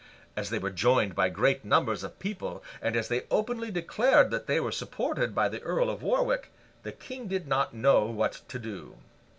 As they were joined by great numbers of people, and as they openly declared that they were supported by the Earl of Warwick, the King did not know what to do.